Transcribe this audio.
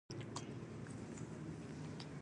کله به رخصتي راشي او د کوم ولایت هوا به خوند کړم.